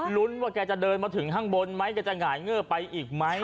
ว่าแกจะเดินมาถึงข้างบนไหมแกจะหงายเงิบไปอีกไหม